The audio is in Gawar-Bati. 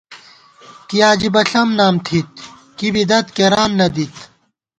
کی عجیبہ ݪم نام تھِت، کی بدعت کېران نہ دِت